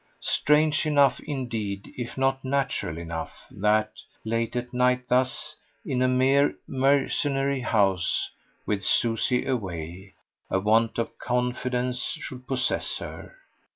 Strange enough indeed if not natural enough that, late at night thus, in a mere mercenary house, with Susie away, a want of confidence should possess her.